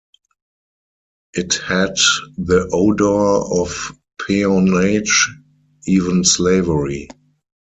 It had the odor of peonage, even slavery.